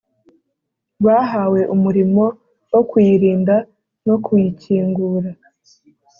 Bahawe umurimo wo kuyirinda no kuyikingura